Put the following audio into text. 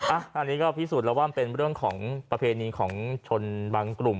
อันนี้ก็พิสูจน์แล้วว่ามันเป็นเรื่องของประเพณีของชนบางกลุ่ม